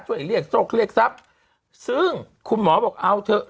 เรียกโซ่เรียกทรัพย์ซึ่งคุณหมอบอกเอาเถอะ